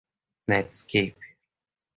netscape